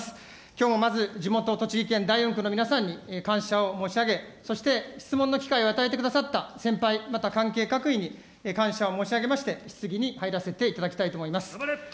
きょうはまず感謝を申し上げ、そして質問の機会を与えてくださった先輩、また関係各位に感謝を申し上げまして、質疑に入らせていただきたいと思います。